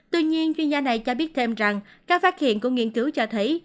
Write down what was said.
tuy nhiên chuyên gia này cho biết thêm rằng các phát hiện của nghiên cứu cho thấy